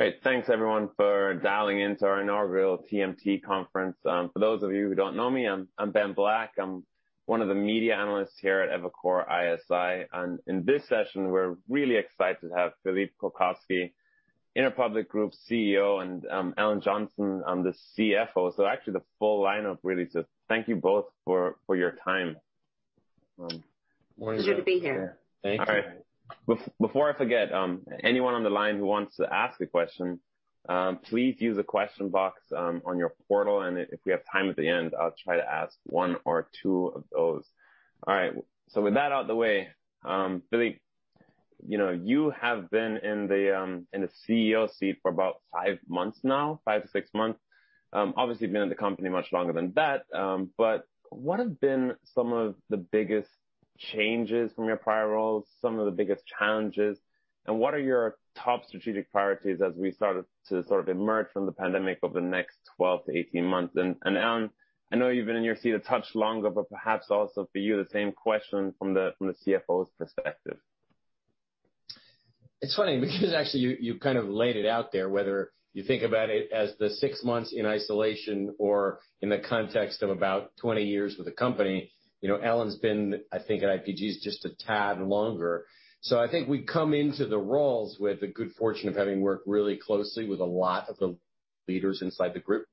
Great. Thanks, everyone, for dialing into our inaugural TMT Conference. For those of you who don't know me, I'm Ben Black. I'm one of the media analysts here at Evercore ISI. And in this session, we're really excited to have Philippe Krakowsky, Interpublic Group CEO, and Ellen Johnson, the CFO. So actually, the full lineup, really. So thank you both for your time. Pleasure to be here. All right. Before I forget, anyone on the line who wants to ask a question, please use the question box on your portal. And if we have time at the end, I'll try to ask one or two of those. All right. So with that out of the way, Philippe, you have been in the CEO seat for about five months now, five to six months. Obviously, you've been at the company much longer than that. But what have been some of the biggest changes from your prior roles, some of the biggest challenges? And what are your top strategic priorities as we start to sort of emerge from the pandemic over the next 12-18 months? And I know you've been in your seat a touch longer, but perhaps also for you, the same question from the CFO's perspective. It's funny because actually, you kind of laid it out there, whether you think about it as the six months in isolation or in the context of about 20 years with the company. Ellen's been, I think, at IPG's just a tad longer. So I think we come into the roles with the good fortune of having worked really closely with a lot of the leaders inside the group.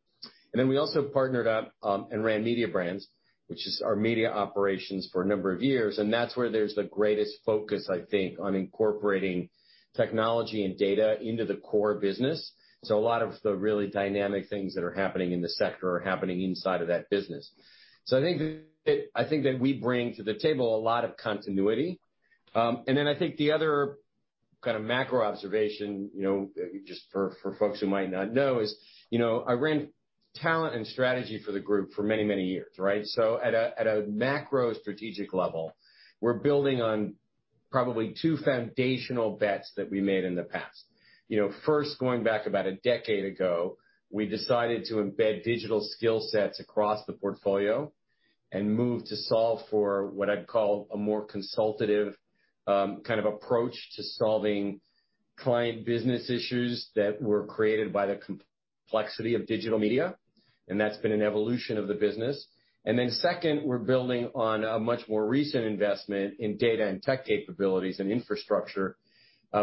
And then we also partnered up and ran Mediabrands, which is our media operations for a number of years. And that's where there's the greatest focus, I think, on incorporating technology and data into the core business. So a lot of the really dynamic things that are happening in the sector are happening inside of that business. So I think that we bring to the table a lot of continuity. And then I think the other kind of macro observation, just for folks who might not know, is I ran talent and strategy for the group for many, many years. Right? So at a macro strategic level, we're building on probably two foundational bets that we made in the past. First, going back about a decade ago, we decided to embed digital skill sets across the portfolio and move to solve for what I'd call a more consultative kind of approach to solving client business issues that were created by the complexity of digital media. And that's been an evolution of the business. And then second, we're building on a much more recent investment in data and tech capabilities and infrastructure,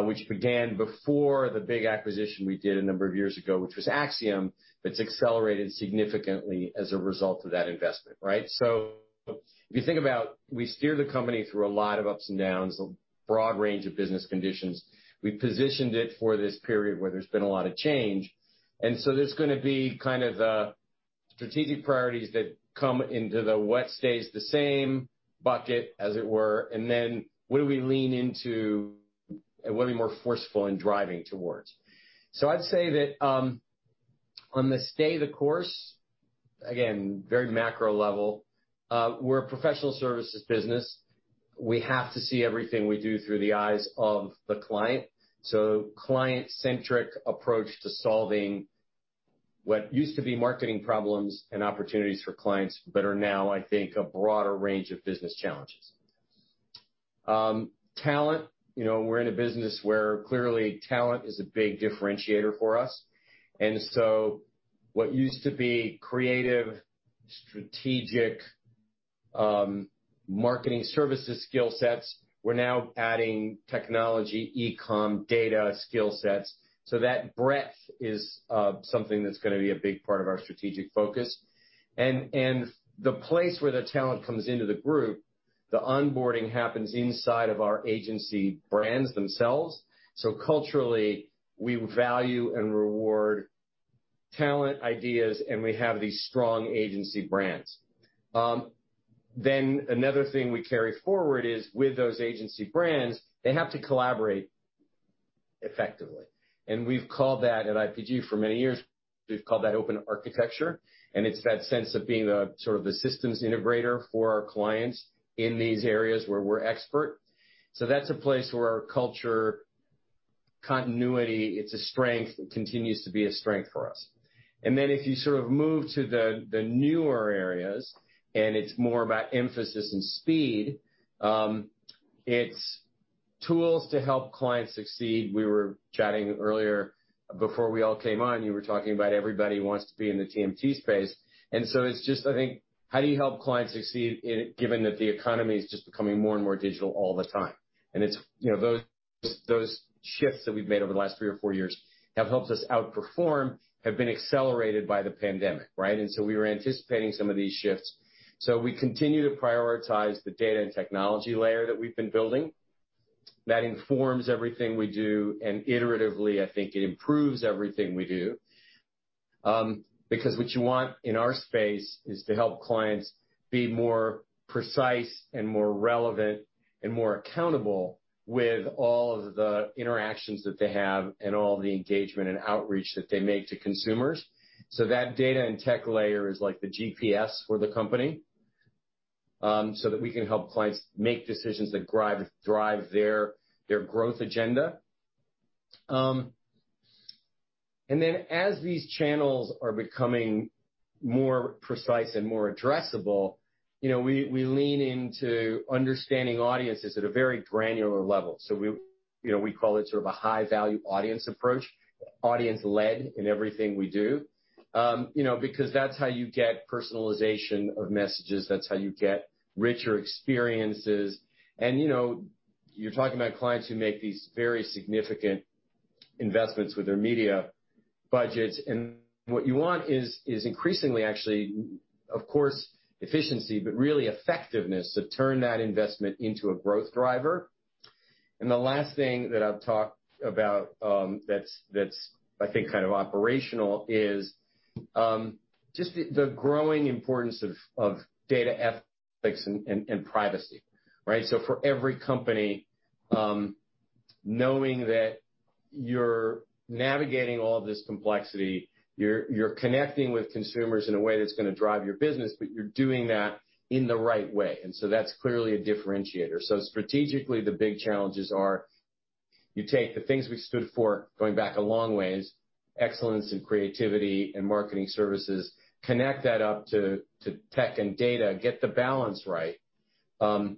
which began before the big acquisition we did a number of years ago, which was Acxiom, but it's accelerated significantly as a result of that investment. Right? So if you think about, we steered the company through a lot of ups and downs, a broad range of business conditions. We've positioned it for this period where there's been a lot of change. And so there's going to be kind of strategic priorities that come into the what stays the same bucket, as it were. And then what do we lean into and what are we more forceful in driving towards? So I'd say that on the stay the course, again, very macro level, we're a professional services business. We have to see everything we do through the eyes of the client. So client-centric approach to solving what used to be marketing problems and opportunities for clients, but are now, I think, a broader range of business challenges. Talent, we're in a business where clearly talent is a big differentiator for us. And so what used to be creative, strategic marketing services skill sets, we're now adding technology, e-comm, data skill sets. So that breadth is something that's going to be a big part of our strategic focus. And the place where the talent comes into the group, the onboarding happens inside of our agency brands themselves. So culturally, we value and reward talent, ideas, and we have these strong agency brands. Then another thing we carry forward is with those agency brands, they have to collaborate effectively. And we've called that at IPG for many years, we've called that open architecture. And it's that sense of being sort of the systems integrator for our clients in these areas where we're expert. So that's a place where our culture continuity, it's a strength, continues to be a strength for us. And then, if you sort of move to the newer areas, and it's more about emphasis and speed, it's tools to help clients succeed. We were chatting earlier before we all came on, you were talking about everybody wants to be in the TMT space. And so it's just, I think, how do you help clients succeed given that the economy is just becoming more and more digital all the time? And those shifts that we've made over the last three or four years have helped us outperform, have been accelerated by the pandemic. Right? And so we were anticipating some of these shifts. So we continue to prioritize the data and technology layer that we've been building. That informs everything we do. And iteratively, I think, it improves everything we do. Because what you want in our space is to help clients be more precise and more relevant and more accountable with all of the interactions that they have and all the engagement and outreach that they make to consumers. So that data and tech layer is like the GPS for the company so that we can help clients make decisions that drive their growth agenda. And then as these channels are becoming more precise and more addressable, we lean into understanding audiences at a very granular level. So we call it sort of a high-value audience approach, audience-led in everything we do. Because that's how you get personalization of messages. That's how you get richer experiences. And you're talking about clients who make these very significant investments with their media budgets. And what you want is increasingly, actually, of course, efficiency, but really effectiveness to turn that investment into a growth driver. And the last thing that I've talked about that's, I think, kind of operational is just the growing importance of data ethics and privacy. Right? So for every company, knowing that you're navigating all this complexity, you're connecting with consumers in a way that's going to drive your business, but you're doing that in the right way. And so that's clearly a differentiator. So strategically, the big challenges are you take the things we stood for going back a long ways, excellence and creativity and marketing services, connect that up to tech and data, get the balance right. And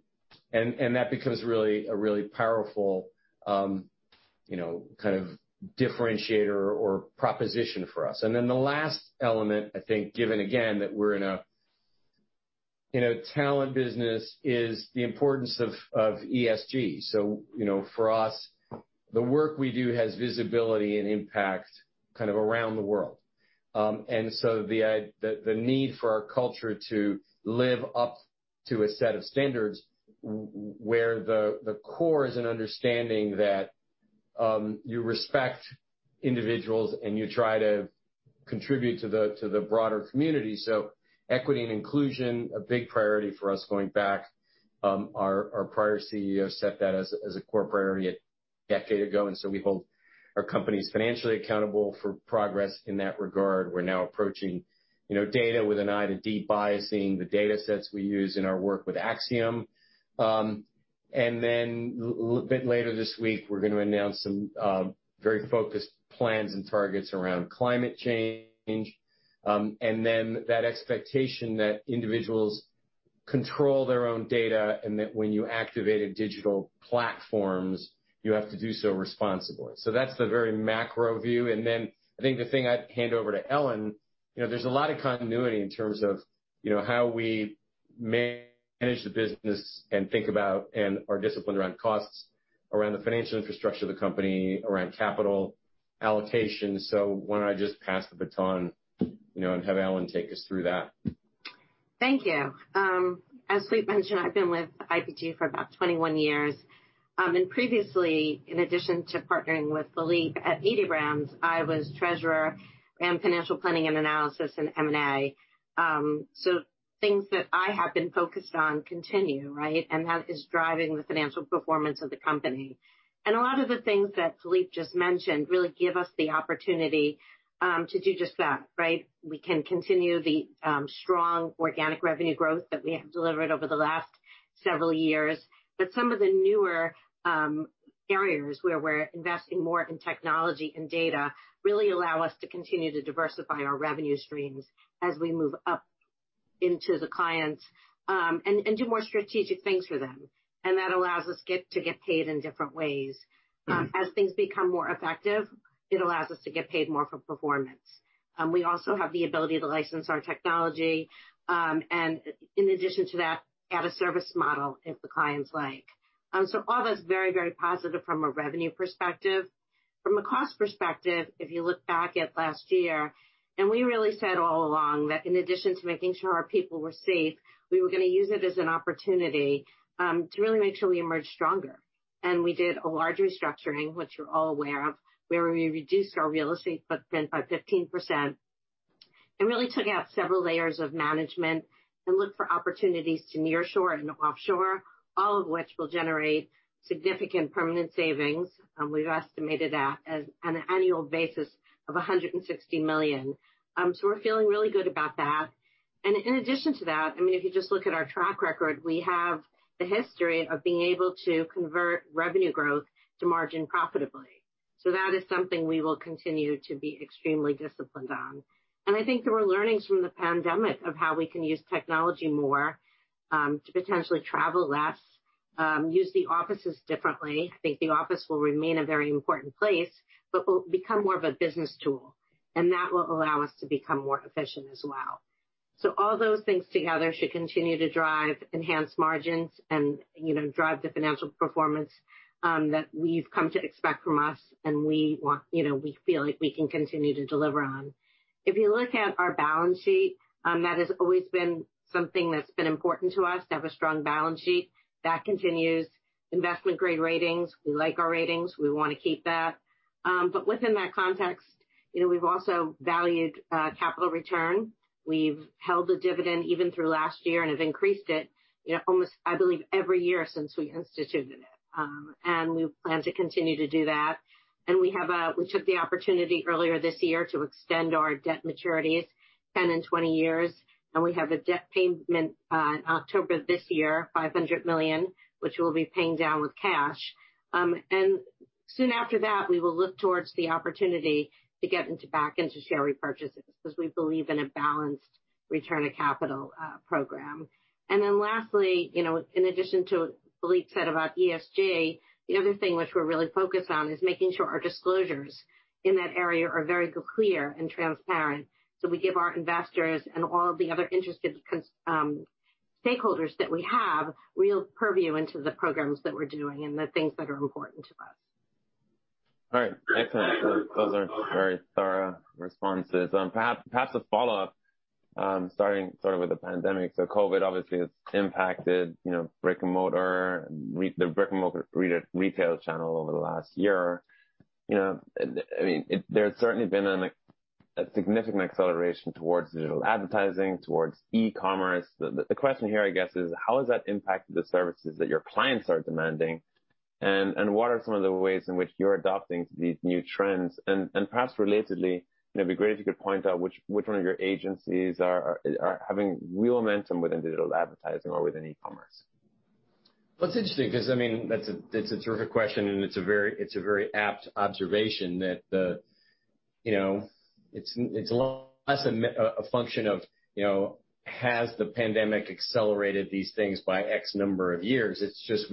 that becomes really a powerful kind of differentiator or proposition for us. And then the last element, I think, given again that we're in a talent business, is the importance of ESG. So for us, the work we do has visibility and impact kind of around the world. And so the need for our culture to live up to a set of standards where the core is an understanding that you respect individuals and you try to contribute to the broader community. So equity and inclusion, a big priority for us going back. Our prior CEO set that as a core priority a decade ago. And so we hold our companies financially accountable for progress in that regard. We're now approaching data with an eye to debiasing the data sets we use in our work with Acxiom. And then a bit later this week, we're going to announce some very focused plans and targets around climate change. That expectation that individuals control their own data and that when you activate digital platforms, you have to do so responsibly. That's the very macro view. I think the thing I'd hand over to Ellen, there's a lot of continuity in terms of how we manage the business and think about and are disciplined around costs, around the financial infrastructure of the company, around capital allocation. Why don't I just pass the baton and have Ellen take us through that? Thank you. As Philippe mentioned, I've been with IPG for about 21 years, and previously, in addition to partnering with Philippe at Mediabrands, I was treasurer and financial planning and analysis in M&A, so things that I have been focused on continue, right? And that is driving the financial performance of the company, and a lot of the things that Philippe just mentioned really give us the opportunity to do just that. Right? We can continue the strong organic revenue growth that we have delivered over the last several years, but some of the newer areas where we're investing more in technology and data really allow us to continue to diversify our revenue streams as we move up into the clients and do more strategic things for them. And that allows us to get paid in different ways. As things become more effective, it allows us to get paid more for performance. We also have the ability to license our technology and, in addition to that, add a service model if the clients like. So all that's very, very positive from a revenue perspective. From a cost perspective, if you look back at last year, and we really said all along that in addition to making sure our people were safe, we were going to use it as an opportunity to really make sure we emerge stronger. And we did a large restructuring, which you're all aware of, where we reduced our real estate footprint by 15% and really took out several layers of management and looked for opportunities to nearshore and offshore, all of which will generate significant permanent savings. We've estimated that on an annual basis of $160 million. So we're feeling really good about that. And in addition to that, I mean, if you just look at our track record, we have the history of being able to convert revenue growth to margin profitably. So that is something we will continue to be extremely disciplined on. And I think there were learnings from the pandemic of how we can use technology more to potentially travel less, use the offices differently. I think the office will remain a very important place, but will become more of a business tool. And that will allow us to become more efficient as well. So all those things together should continue to drive enhanced margins and drive the financial performance that we've come to expect from us and we feel like we can continue to deliver on. If you look at our balance sheet, that has always been something that's been important to us, to have a strong balance sheet. That continues. Investment-grade ratings, we like our ratings. We want to keep that. But within that context, we've also valued capital return. We've held a dividend even through last year and have increased it almost, I believe, every year since we instituted it. And we plan to continue to do that. And we took the opportunity earlier this year to extend our debt maturities 10 and 20 years. And we have a debt payment in October this year, $500 million, which we'll be paying down with cash. And soon after that, we will look towards the opportunity to get back into share repurchases because we believe in a balanced return to capital program. And then lastly, in addition to what Philippe said about ESG, the other thing which we're really focused on is making sure our disclosures in that area are very clear and transparent. So we give our investors and all of the other interested stakeholders that we have real purview into the programs that we're doing and the things that are important to us. All right. Excellent. Those are very thorough responses. Perhaps a follow-up starting with the pandemic. So COVID obviously has impacted the brick-and-mortar retail channel over the last year. I mean, there's certainly been a significant acceleration towards digital advertising, towards e-commerce. The question here, I guess, is how has that impacted the services that your clients are demanding? And what are some of the ways in which you're adopting these new trends? And perhaps relatedly, it'd be great if you could point out which one of your agencies are having real momentum within digital advertising or within e-commerce? It's interesting because, I mean, that's a terrific question. It's a very apt observation that it's less a function of has the pandemic accelerated these things by X number of years. It's just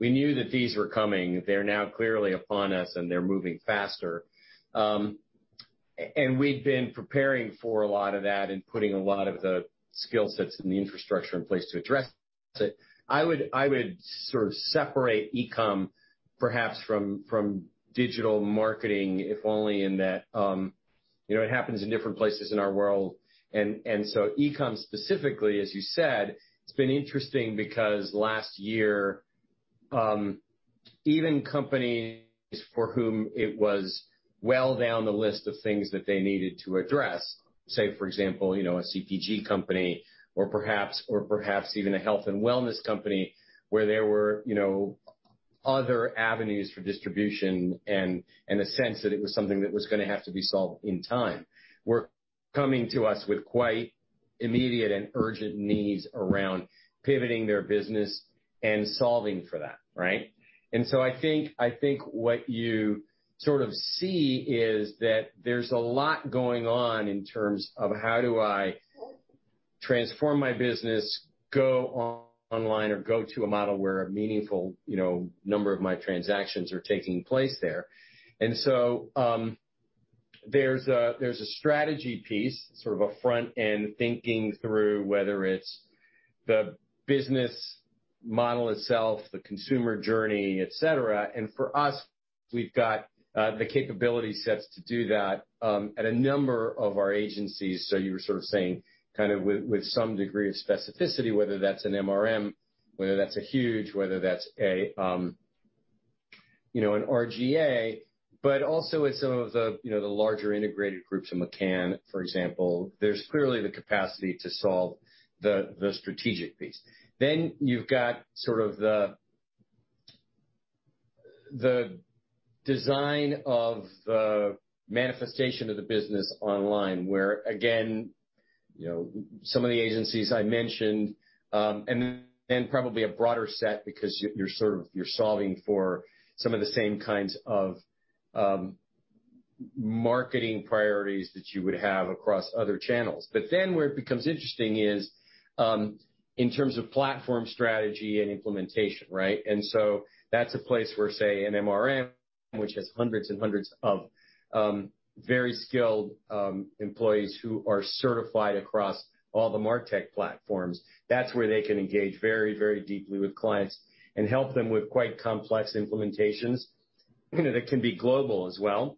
we knew that these were coming. They're now clearly upon us, and they're moving faster. We've been preparing for a lot of that and putting a lot of the skill sets and the infrastructure in place to address it. I would sort of separate e-comm perhaps from digital marketing, if only in that it happens in different places in our world. And so e-comm specifically, as you said, it's been interesting because last year, even companies for whom it was well down the list of things that they needed to address, say, for example, a CPG company or perhaps even a health and wellness company where there were other avenues for distribution and a sense that it was something that was going to have to be solved in time, were coming to us with quite immediate and urgent needs around pivoting their business and solving for that. Right? And so I think what you sort of see is that there's a lot going on in terms of how do I transform my business, go online, or go to a model where a meaningful number of my transactions are taking place there. And so there's a strategy piece, sort of a front-end thinking through whether it's the business model itself, the consumer journey, etc. And for us, we've got the capability sets to do that at a number of our agencies. So you were sort of saying kind of with some degree of specificity, whether that's an MRM, whether that's a Huge, whether that's an R/GA, but also with some of the larger integrated groups in McCann, for example, there's clearly the capacity to solve the strategic piece. Then you've got sort of the design of the manifestation of the business online where, again, some of the agencies I mentioned and then probably a broader set because you're solving for some of the same kinds of marketing priorities that you would have across other channels. But then where it becomes interesting is in terms of platform strategy and implementation. Right? And so that's a place where, say, an MRM, which has hundreds and hundreds of very skilled employees who are certified across all the martech platforms, that's where they can engage very, very deeply with clients and help them with quite complex implementations that can be global as well.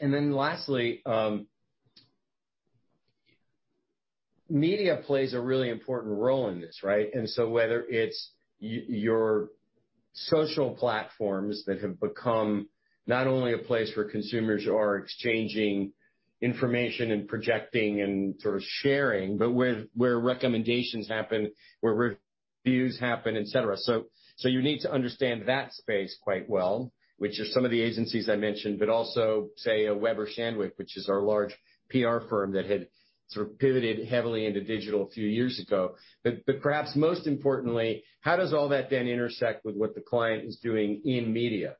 And then lastly, media plays a really important role in this. Right? And so whether it's your social platforms that have become not only a place where consumers are exchanging information and projecting and sort of sharing, but where recommendations happen, where reviews happen, etc. So you need to understand that space quite well, which are some of the agencies I mentioned, but also, say, a Weber Shandwick, which is our large PR firm that had sort of pivoted heavily into digital a few years ago. But perhaps most importantly, how does all that then intersect with what the client is doing in media?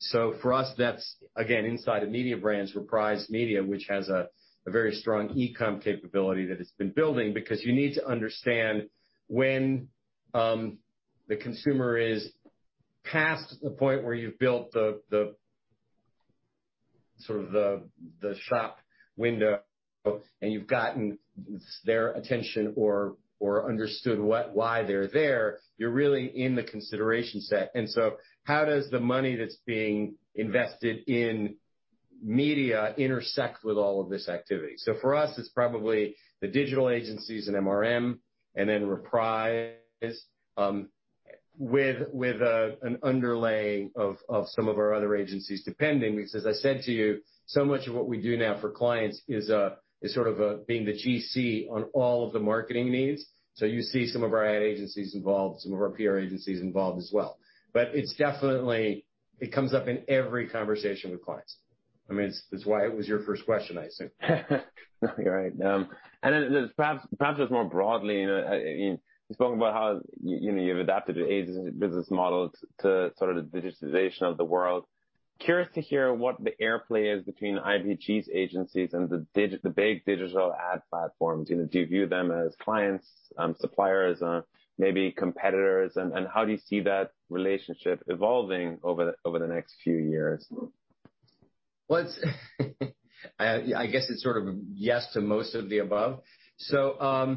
So for us, that's, again, inside of Mediabrands Reprise media, which has a very strong e-comm capability that it's been building because you need to understand when the consumer is past the point where you've built sort of the shop window and you've gotten their attention or understood why they're there, you're really in the consideration set. And so how does the money that's being invested in media intersect with all of this activity? So for us, it's probably the digital agencies and MRM and then Reprise with an underlay of some of our other agencies depending. Because as I said to you, so much of what we do now for clients is sort of being the GC on all of the marketing needs. So you see some of our ad agencies involved, some of our PR agencies involved as well. But it comes up in every conversation with clients. I mean, that's why it was your first question, I assume. No, you're right. And perhaps just more broadly, you spoke about how you've adapted your agency business model to sort of the digitization of the world. Curious to hear what the interplay is between IPG's agencies and the big digital ad platforms. Do you view them as clients, suppliers, maybe competitors? And how do you see that relationship evolving over the next few years? Well, I guess it's sort of yes to most of the above. So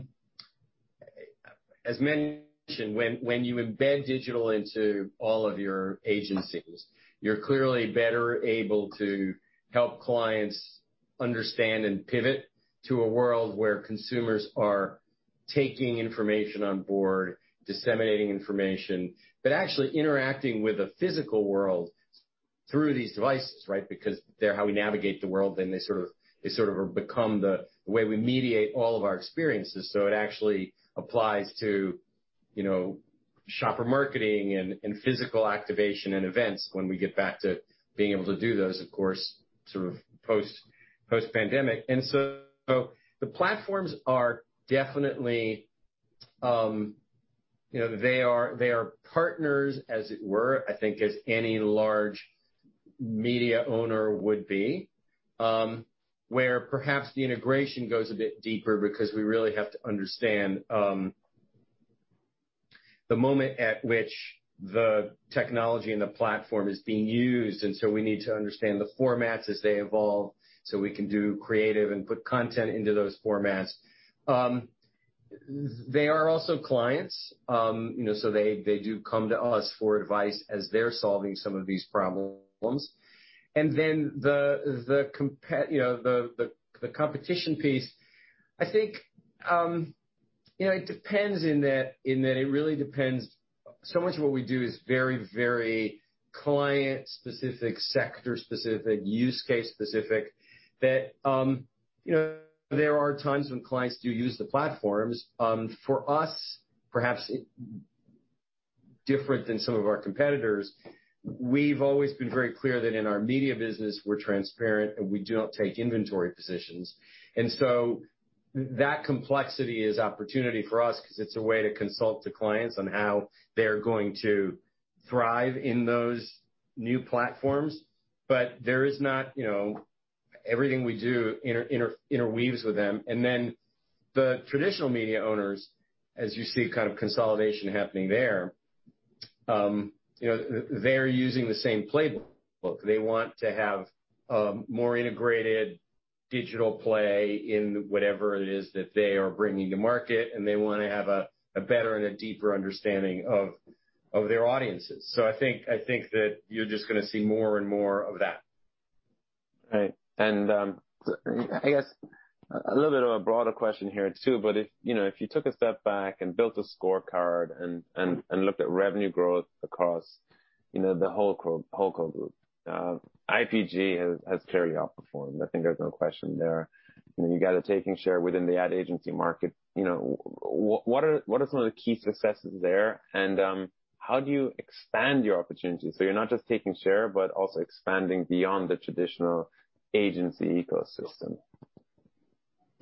as mentioned, when you embed digital into all of your agencies, you're clearly better able to help clients understand and pivot to a world where consumers are taking information on board, disseminating information, but actually interacting with a physical world through these devices. Right? Because they're how we navigate the world, and they sort of become the way we mediate all of our experiences. So it actually applies to shopper marketing and physical activation and events when we get back to being able to do those, of course, sort of post-pandemic. The platforms are definitely partners, as it were, I think, as any large media owner would be, where perhaps the integration goes a bit deeper because we really have to understand the moment at which the technology and the platform is being used. We need to understand the formats as they evolve so we can do creative and put content into those formats. They are also clients. They do come to us for advice as they're solving some of these problems. The competition piece, I think it really depends so much of what we do is very, very client-specific, sector-specific, use-case-specific that there are times when clients do use the platforms. For us, perhaps different than some of our competitors, we've always been very clear that in our media business, we're transparent and we do not take inventory positions. And so that complexity is opportunity for us because it's a way to consult the clients on how they're going to thrive in those new platforms. But not everything we do interweaves with them. And then the traditional media owners, as you see kind of consolidation happening there, they're using the same playbook. They want to have more integrated digital play in whatever it is that they are bringing to market, and they want to have a better and a deeper understanding of their audiences. So I think that you're just going to see more and more of that. Right. And I guess a little bit of a broader question here too, but if you took a step back and built a scorecard and looked at revenue growth across the whole core group, IPG has clearly outperformed. I think there's no question there. You've been taking share within the ad agency market. What are some of the key successes there? And how do you expand your opportunity so you're not just taking share, but also expanding beyond the traditional agency ecosystem?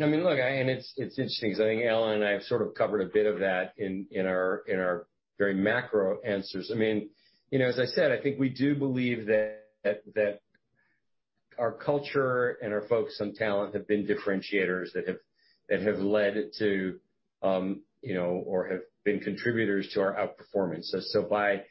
I mean, look, and it's interesting because I think Ellen and I have sort of covered a bit of that in our very macro answers. I mean, as I said, I think we do believe that our culture and our focus on talent have been differentiators that have led to or have been contributors to our outperformance. So by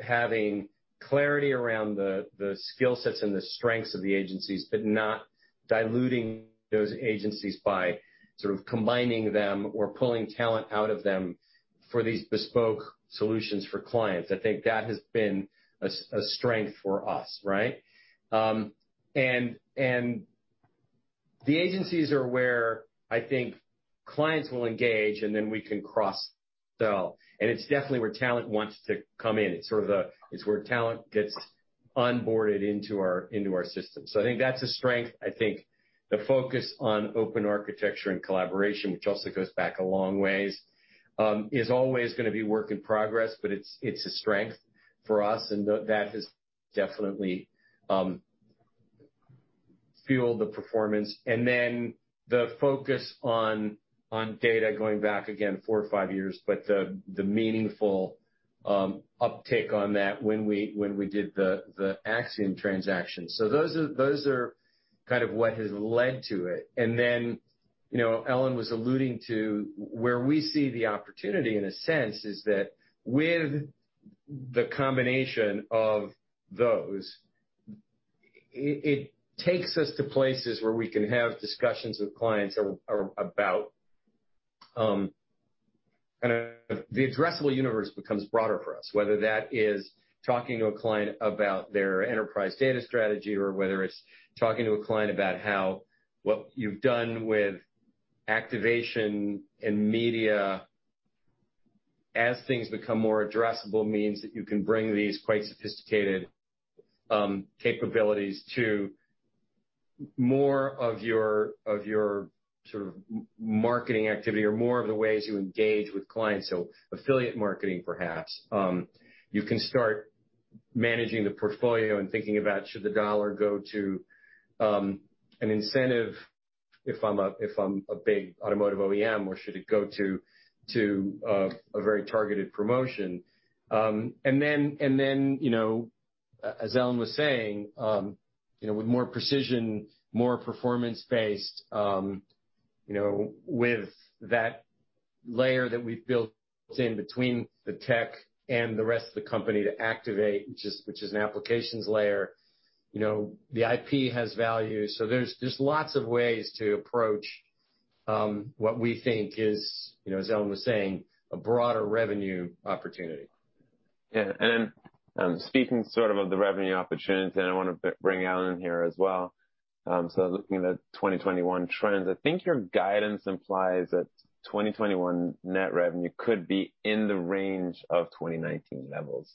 having clarity around the skill sets and the strengths of the agencies, but not diluting those agencies by sort of combining them or pulling talent out of them for these bespoke solutions for clients, I think that has been a strength for us. Right? And the agencies are where I think clients will engage, and then we can cross-sell. And it's definitely where talent wants to come in. It's sort of where talent gets onboarded into our system. So I think that's a strength. I think the focus on open architecture and collaboration, which also goes back a long ways, is always going to be a work in progress, but it's a strength for us. And that has definitely fueled the performance. And then the focus on data going back, again, four or five years, but the meaningful uptake on that when we did the Acxiom transaction. So those are kind of what has led to it. And then Ellen was alluding to where we see the opportunity in a sense is that with the combination of those, it takes us to places where we can have discussions with clients about kind of the addressable universe becomes broader for us, whether that is talking to a client about their enterprise data strategy or whether it's talking to a client about what you've done with activation and media as things become more addressable means that you can bring these quite sophisticated capabilities to more of your sort of marketing activity or more of the ways you engage with clients, so affiliate marketing, perhaps. You can start managing the portfolio and thinking about, should the dollar go to an incentive if I'm a big automotive OEM, or should it go to a very targeted promotion? Then, as Ellen was saying, with more precision, more performance-based, with that layer that we've built in between the tech and the rest of the company to activate, which is an applications layer, the IP has value. There's lots of ways to approach what we think is, as Ellen was saying, a broader revenue opportunity. Yeah. And then speaking sort of of the revenue opportunity, and I want to bring Ellen in here as well. So looking at the 2021 trends, I think your guidance implies that 2021 net revenue could be in the range of 2019 levels.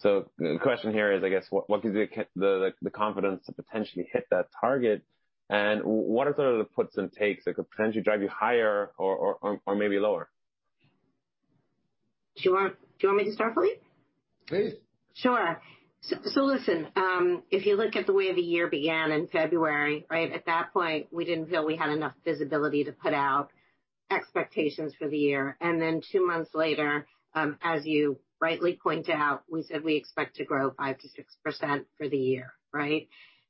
So the question here is, I guess, what gives you the confidence to potentially hit that target? And what are sort of the puts and takes that could potentially drive you higher or maybe lower? Do you want me to start, Philippe? Please. Sure. So listen, if you look at the way the year began in February, right, at that point, we didn't feel we had enough visibility to put out expectations for the year. And then two months later, as you rightly point out, we said we expect to grow 5%-6% for the year. Right?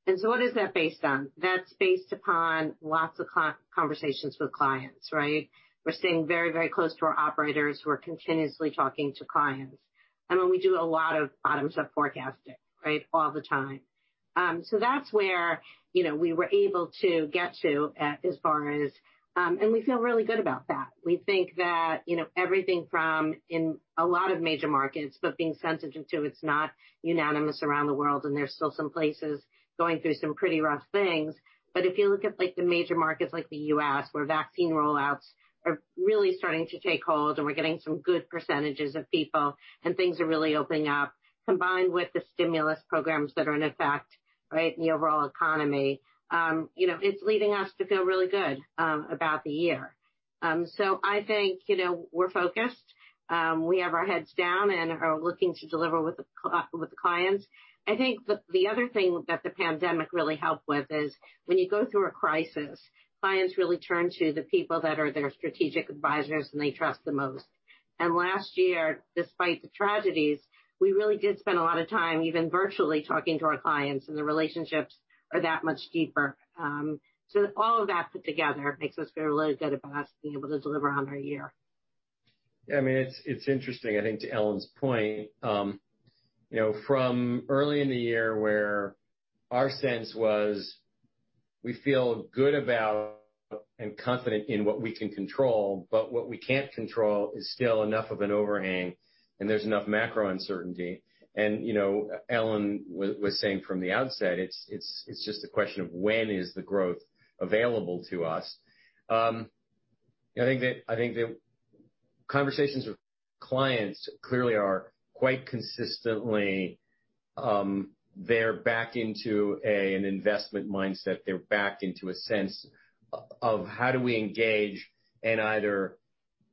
And so what is that based on? That's based upon lots of conversations with clients. Right? We're staying very, very close to our operators who are continuously talking to clients. I mean, we do a lot of bottoms-up forecasting, right, all the time. So that's where we were able to get to as far as and we feel really good about that. We think that everything from in a lot of major markets, but being sensitive to it's not unanimous around the world, and there's still some places going through some pretty rough things. But if you look at the major markets like the U.S., where vaccine rollouts are really starting to take hold and we're getting some good percentages of people and things are really opening up, combined with the stimulus programs that are in effect, right, in the overall economy, it's leading us to feel really good about the year. So I think we're focused. We have our heads down and are looking to deliver with the clients. I think the other thing that the pandemic really helped with is when you go through a crisis, clients really turn to the people that are their strategic advisors and they trust the most. And last year, despite the tragedies, we really did spend a lot of time even virtually talking to our clients, and the relationships are that much deeper. So all of that put together makes us feel really good about us being able to deliver on our year. Yeah. I mean, it's interesting, I think, to Ellen's point. From early in the year where our sense was we feel good about and confident in what we can control, but what we can't control is still enough of an overhang and there's enough macro uncertainty, and Ellen was saying from the outset, it's just a question of when is the growth available to us. I think that conversations with clients clearly are quite consistently, they're back into an investment mindset. They're back into a sense of how do we engage and either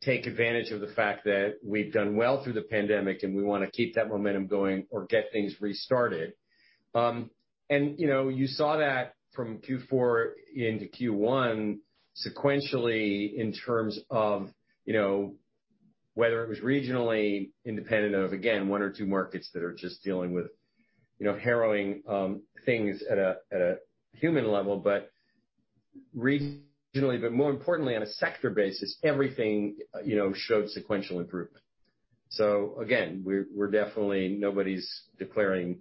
take advantage of the fact that we've done well through the pandemic and we want to keep that momentum going or get things restarted. And you saw that from Q4 into Q1 sequentially in terms of whether it was regionally independent of, again, one or two markets that are just dealing with harrowing things at a human level, but regionally, but more importantly, on a sector basis, everything showed sequential improvement. So again, nobody's declaring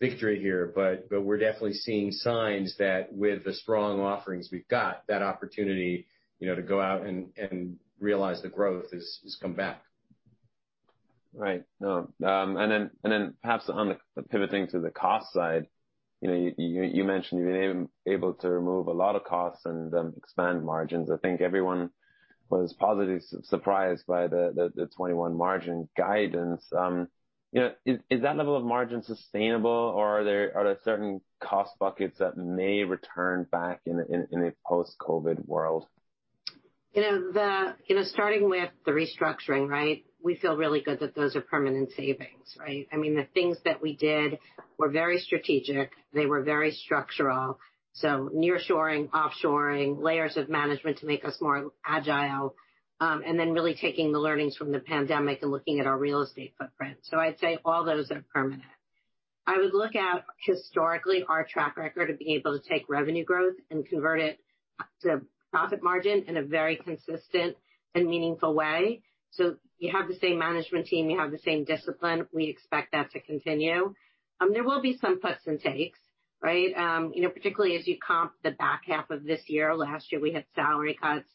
victory here, but we're definitely seeing signs that with the strong offerings we've got, that opportunity to go out and realize the growth has come back. Right. And then perhaps on the pivoting to the cost side, you mentioned you've been able to remove a lot of costs and expand margins. I think everyone was positively surprised by the 2021 margin guidance. Is that level of margin sustainable, or are there certain cost buckets that may return back in a post-COVID world? Starting with the restructuring, right, we feel really good that those are permanent savings. Right? I mean, the things that we did were very strategic. They were very structural. So nearshoring, offshoring, layers of management to make us more agile, and then really taking the learnings from the pandemic and looking at our real estate footprint. So I'd say all those are permanent. I would look at historically our track record of being able to take revenue growth and convert it to profit margin in a very consistent and meaningful way. So you have the same management team. You have the same discipline. We expect that to continue. There will be some puts and takes, right, particularly as you comp the back half of this year. Last year, we had salary cuts.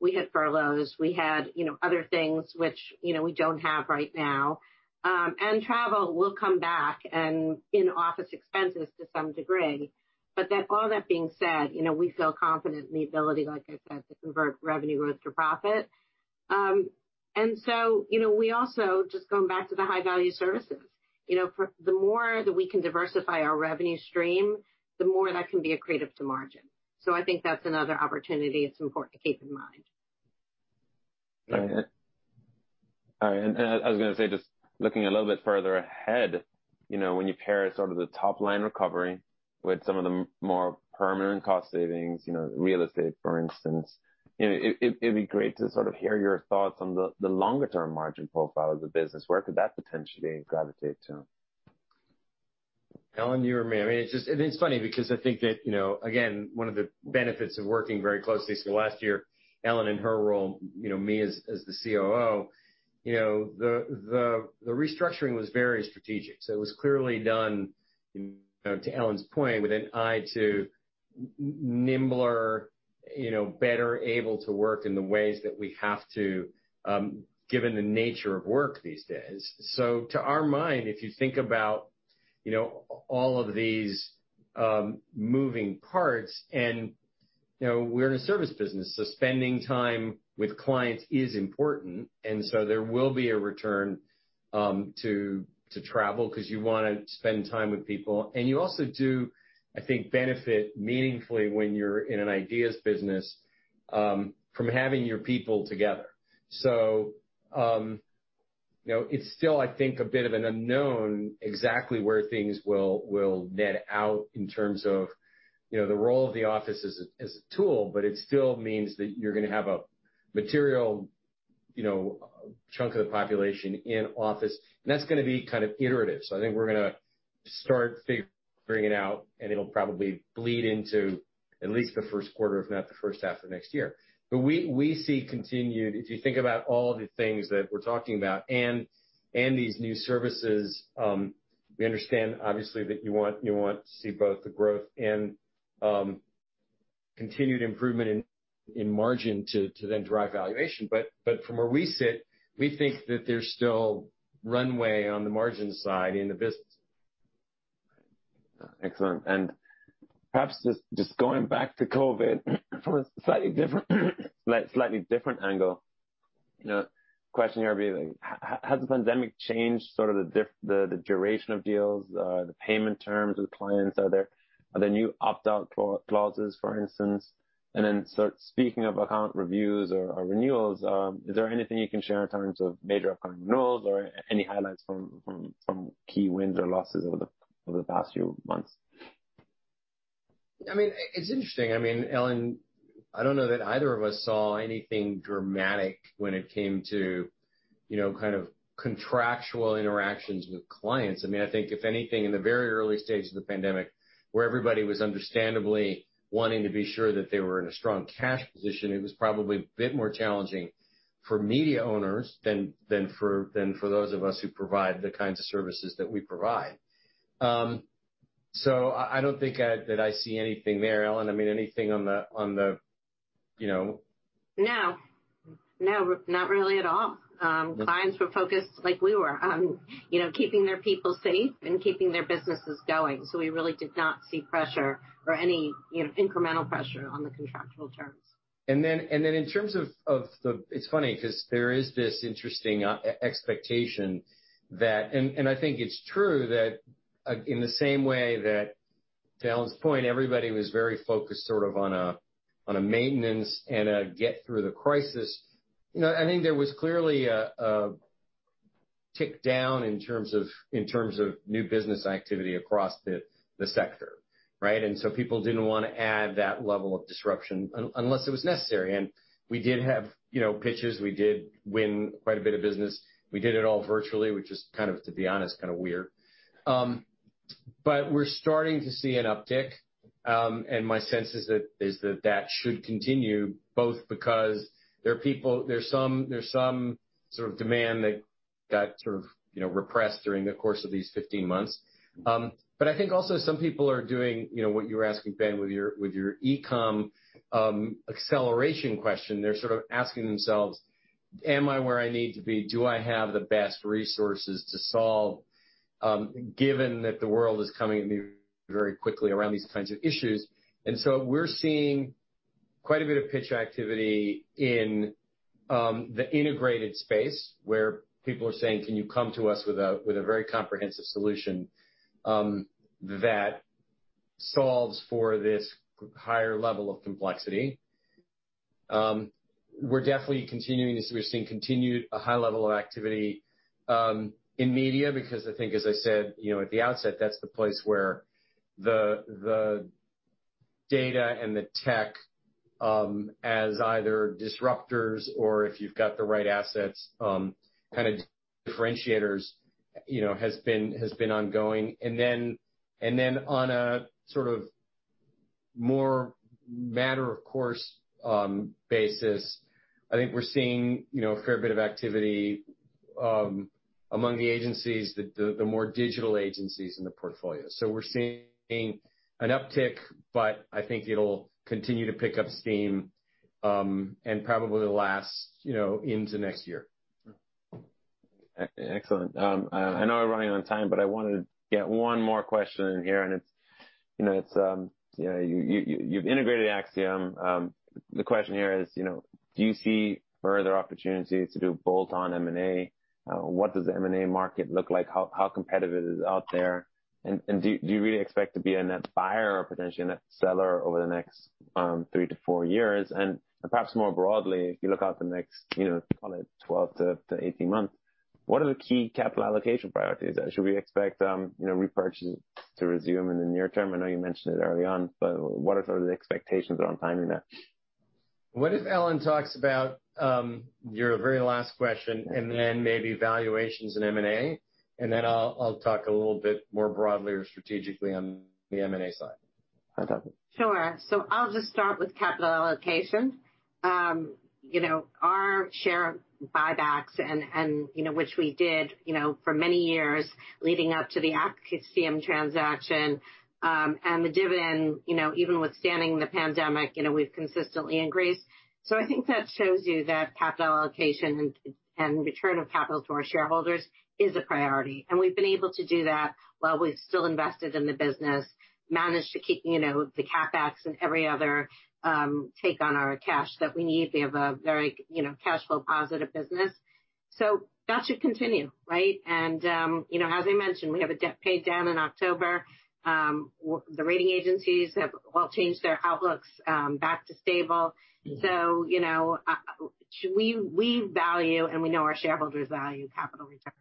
We had furloughs. We had other things which we don't have right now. Travel will come back and in-office expenses to some degree. All that being said, we feel confident in the ability, like I said, to convert revenue growth to profit. We also just going back to the high-value services. The more that we can diversify our revenue stream, the more that can be accretive to margin. I think that's another opportunity, it's important to keep in mind. All right, and I was going to say, just looking a little bit further ahead, when you pair sort of the top-line recovery with some of the more permanent cost savings, real estate, for instance, it'd be great to sort of hear your thoughts on the longer-term margin profile of the business. Where could that potentially gravitate to? Ellen, you or me? I mean, it's funny because I think that, again, one of the benefits of working very closely so last year, Ellen in her role, me as the COO, the restructuring was very strategic, so it was clearly done, to Ellen's point, with an eye to nimbler, better able to work in the ways that we have to given the nature of work these days, so to our mind, if you think about all of these moving parts, and we're in a service business, so spending time with clients is important, and so there will be a return to travel because you want to spend time with people, and you also do, I think, benefit meaningfully when you're in an ideas business from having your people together. So it's still, I think, a bit of an unknown exactly where things will net out in terms of the role of the office as a tool, but it still means that you're going to have a material chunk of the population in office. And that's going to be kind of iterative. So I think we're going to start figuring it out, and it'll probably bleed into at least the first quarter, if not the first half of next year. But we see continued if you think about all the things that we're talking about and these new services, we understand, obviously, that you want to see both the growth and continued improvement in margin to then drive valuation. But from where we sit, we think that there's still runway on the margin side in the business. Excellent. And perhaps just going back to COVID from a slightly different angle, question here would be, has the pandemic changed sort of the duration of deals, the payment terms with clients? Are there new opt-out clauses, for instance? And then speaking of account reviews or renewals, is there anything you can share in terms of major upcoming renewals or any highlights from key wins or losses over the past few months? I mean, it's interesting. I mean, Ellen, I don't know that either of us saw anything dramatic when it came to kind of contractual interactions with clients. I mean, I think if anything, in the very early stages of the pandemic, where everybody was understandably wanting to be sure that they were in a strong cash position, it was probably a bit more challenging for media owners than for those of us who provide the kinds of services that we provide. So I don't think that I see anything there, Ellen. I mean, anything on the. No. No, not really at all. Clients were focused like we were on keeping their people safe and keeping their businesses going. So we really did not see pressure or any incremental pressure on the contractual terms. And then, in terms of, it's funny because there is this interesting expectation that, and I think it's true that, in the same way that, to Ellen's point, everybody was very focused sort of on a maintenance and a get through the crisis. I think there was clearly a tick down in terms of new business activity across the sector. Right? And so people didn't want to add that level of disruption unless it was necessary. And we did have pitches. We did win quite a bit of business. We did it all virtually, which is kind of, to be honest, kind of weird. But we're starting to see an uptick. And my sense is that that should continue, both because there are some sort of demand that got sort of repressed during the course of these 15 months. But I think also some people are doing what you were asking, Ben, with your e-comm acceleration question. They're sort of asking themselves, "Am I where I need to be? Do I have the best resources to solve, given that the world is coming at me very quickly around these kinds of issues?" And so we're seeing quite a bit of pitch activity in the integrated space where people are saying, "Can you come to us with a very comprehensive solution that solves for this higher level of complexity?" We're definitely continuing to see a high level of activity in media because I think, as I said at the outset, that's the place where the data and the tech as either disruptors or if you've got the right assets, kind of differentiators, has been ongoing. And then on a sort of more matter-of-course basis, I think we're seeing a fair bit of activity among the agencies, the more digital agencies in the portfolio. So we're seeing an uptick, but I think it'll continue to pick up steam and probably last into next year. Excellent. I know we're running on time, but I wanted to get one more question in here, and it's you've integrated Acxiom. The question here is, do you see further opportunity to do bolt-on M&A? What does the M&A market look like? How competitive is it out there? And do you really expect to be a net buyer or potentially a net seller over the next three to four years? And perhaps more broadly, if you look out the next, call it, 12-18 months, what are the key capital allocation priorities? Should we expect repurchase to resume in the near term? I know you mentioned it early on, but what are sort of the expectations around timing that? What if Ellen talks about your very last question and then maybe valuations and M&A? And then I'll talk a little bit more broadly or strategically on the M&A side. Fantastic. Sure, so I'll just start with capital allocation. Our share buybacks, which we did for many years leading up to the Acxiom transaction and the dividend, even withstanding the pandemic, we've consistently increased, so I think that shows you that capital allocation and return of capital to our shareholders is a priority. And we've been able to do that while we've still invested in the business, managed to keep the CapEx and every other take on our cash that we need. We have a very cash flow positive business, so that should continue, right? And as I mentioned, we have a debt paid down in October. The rating agencies have all changed their outlooks back to stable, so we value and we know our shareholders value capital return.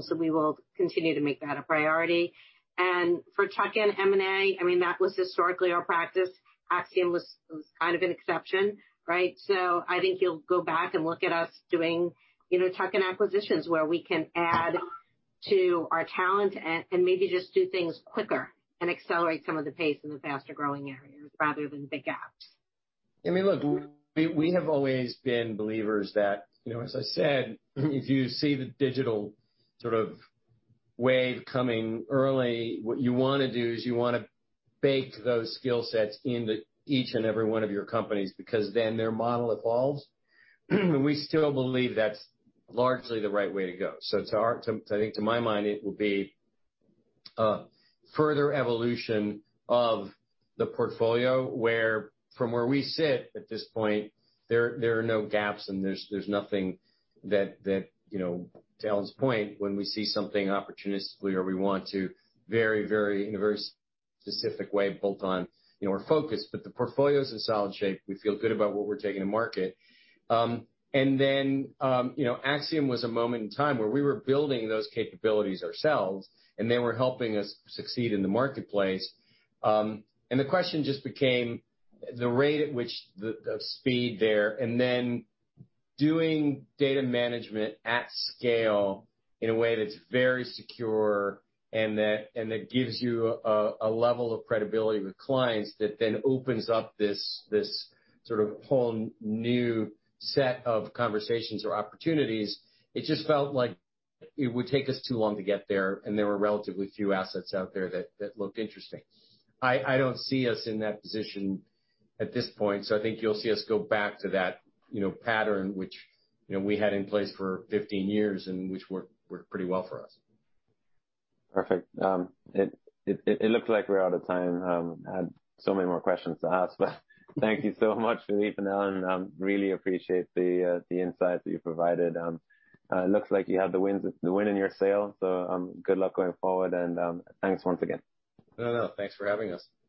So we will continue to make that a priority, and for tuck-ins and M&A, I mean, that was historically our practice. Acxiom was kind of an exception. Right? So I think you'll go back and look at us doing tuck-in acquisitions where we can add to our talent and maybe just do things quicker and accelerate some of the pace in the faster growing areas rather than big gaps. I mean, look, we have always been believers that, as I said, if you see the digital sort of wave coming early, what you want to do is you want to bake those skill sets into each and every one of your companies because then their model evolves, and we still believe that's largely the right way to go, so I think to my mind, it will be a further evolution of the portfolio where from where we sit at this point, there are no gaps and there's nothing that to Ellen's point, when we see something opportunistically or we want to very, very in a very specific way bolt-on or focus, but the portfolio is in solid shape. We feel good about what we're taking to market. And then Acxiom was a moment in time where we were building those capabilities ourselves, and they were helping us succeed in the marketplace. And the question just became the rate at which the speed there and then doing data management at scale in a way that's very secure and that gives you a level of credibility with clients that then opens up this sort of whole new set of conversations or opportunities. It just felt like it would take us too long to get there. And there were relatively few assets out there that looked interesting. I don't see us in that position at this point. So I think you'll see us go back to that pattern which we had in place for 15 years and which worked pretty well for us. Perfect. It looks like we're out of time. I had so many more questions to ask, but thank you so much, Philippe and Ellen. Really appreciate the insights that you provided. It looks like you have the wind in your sails. So good luck going forward and thanks once again. No, thanks for having us.